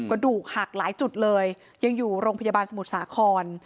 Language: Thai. กระดูกหักหลายจุดเลยยังอยู่โรงพยาบาลสมุทรสาคร